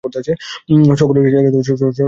সকলের কাছে তিনি নাম পেতেন, দাম পেতেন না।